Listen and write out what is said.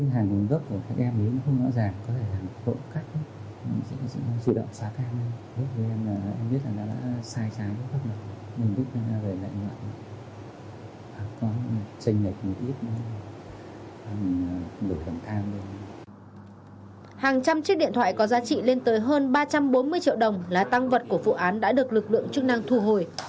hàng trăm chiếc điện thoại có giá trị lên tới hơn ba trăm bốn mươi triệu đồng là tăng vật của vụ án đã được lực lượng chức năng thu hồi